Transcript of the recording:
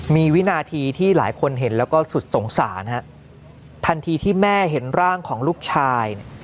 มีวินาทีที่หลายคนเห็นแล้วก็สุดสงสารฮะทันทีที่แม่เห็นร่างของลูกชายเนี่ย